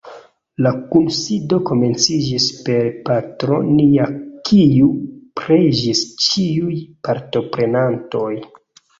La kunsido komenciĝis per Patro Nia kiu preĝis ĉiuj partoprenantoj.